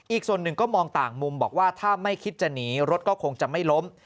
อีกส่วนหนึ่งก็มองต่างมุมบอกว่าถ้าไม่คิดจะหนีรถก็คงจะไม่ล้ม